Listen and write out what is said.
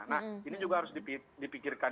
nah ini juga harus dipikirkan